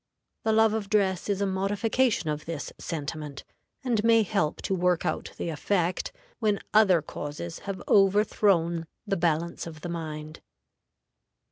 The love of dress is a modification of this sentiment, and may help to work out the effect when other causes have overthrown the balance of the mind.